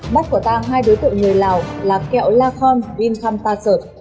bắt của ta hai đối tượng người lào là kẹo lacombe vinhampasert